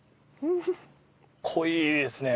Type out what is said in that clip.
濃いですね。